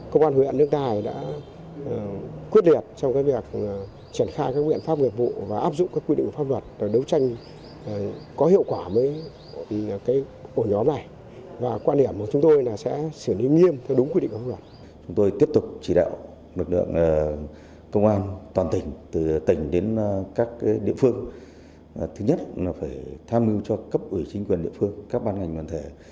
các địa phương thứ nhất là phải tham ngư cho cấp ủy chính quyền địa phương các ban ngành hoàn thể